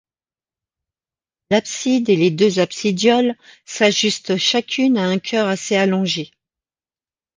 L'abside et les deux absidioles s'ajustent chacune à un chœur assez allongé.